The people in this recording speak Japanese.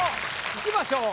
いきましょう。